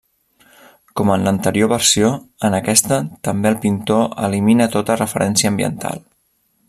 Com en l'anterior versió, en aquesta també el pintor elimina tota referència ambiental.